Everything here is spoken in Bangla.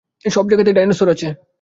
সব জায়গাতেই ডাইনোসর আছে।